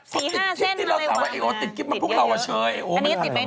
ช่างผมรู้ว่าฟาชั่นถูกมั้ยมันติดกริป